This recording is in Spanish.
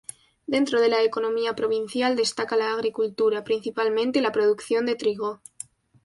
Dentro de la economía provincial destaca la agricultura, principalmente la producción de trigo.